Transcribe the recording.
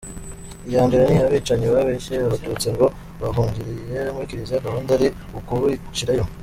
Iya mbere ni abicanyi babeshye Abatutsi ngo bahungire mu Kiliziya gahunda ari ukubicirayo.